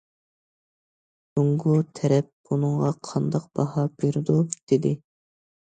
جۇڭگو تەرەپ بۇنىڭغا قانداق باھا بېرىدۇ؟ دېدى.